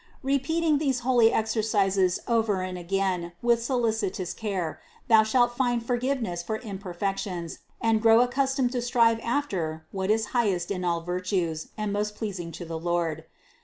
Repeating these holy exercises over and again with solicitous care, thou shalt find for giveness for imperfections and grow accustomed to strive after what is highest in all virtues and most pleasing to the Lord.